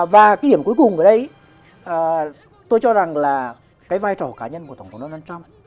và cái điểm cuối cùng ở đây tôi cho rằng là cái vai trò cá nhân của tổng thống donald trump